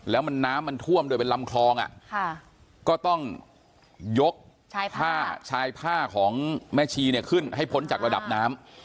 แล้วมันน้ำมันท่วมโดยเป็นลำคลองก็ต้องยกผ้าชายผ้าของแม่ชีเนี่ยขึ้นให้พ้นจากระดับน้ำ